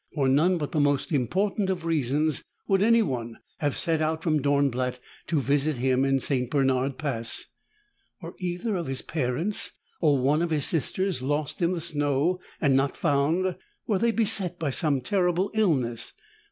For none but the most important of reasons would anyone have set out from Dornblatt to visit him in St. Bernard Pass. Were either of his parents or one of his sisters lost in the snow and not found? Were they beset by some terrible illness?